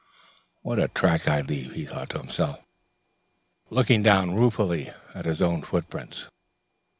"What a track I leave," he thought to himself, looking down ruefully at his own footprints.